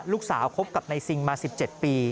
ลูกสาวคบกับในซิงมา๑๗ปี